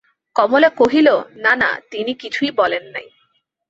কমলা কহিল, না না, তিনি কিছুই বলেন নাই।